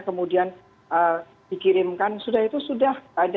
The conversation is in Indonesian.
kemudian dikirimkan sudah itu sudah ada